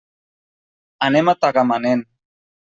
Anem a Tagamanent.